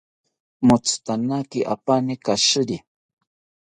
Motzitanaki apani kashiri